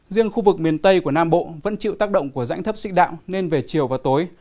riêng khu vực miền tây của nam bộ vẫn chịu tác động của rãnh thấp xích đạo nên về chiều và tối